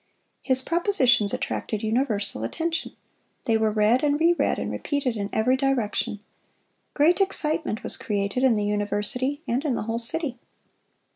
His propositions attracted universal attention. They were read and re read, and repeated in every direction. Great excitement was created in the university and in the whole city.